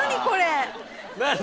これ。